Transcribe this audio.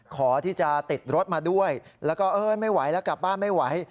ขอที่จะติดรถมาด้วยแล้วก็เอ้ยไม่ไหวแล้วกลับบ้านไม่ไหว